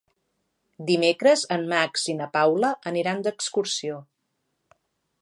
Dimecres en Max i na Paula aniran d'excursió.